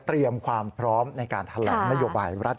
เตรียมความพร้อมในการแถลงนโยบายรัฐ